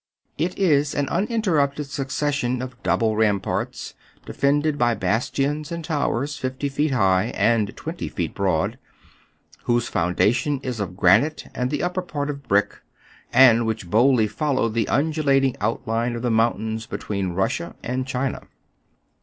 It is an uninterrupted succession of double ramparts, defended by bas tions and towers, fifty feet high and twenty feet broad, whose foundation is of granite and the upper part of brick, and which boldly follow the undulating outline of the mountains between Rus sia and China.